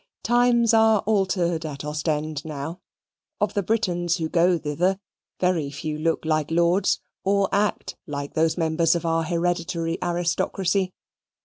Times are altered at Ostend now; of the Britons who go thither, very few look like lords, or act like those members of our hereditary aristocracy.